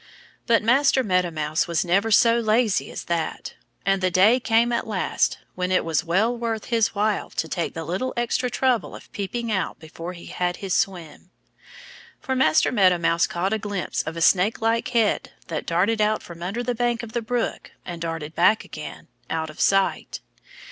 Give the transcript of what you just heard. But Master Meadow Mouse was never so lazy as that. And the day came at last when it was well worth his while to take the little extra trouble of peeping out before he had his swim. For Master Meadow Mouse caught a glimpse of a snakelike head that darted out from under the bank of the brook and darted back again, out of sight.